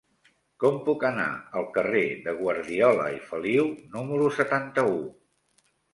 Com puc anar al carrer de Guardiola i Feliu número setanta-u?